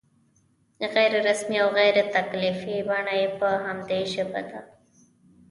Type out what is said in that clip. غیر رسمي او غیر تکلفي بڼه یې په همدې ژبه ده.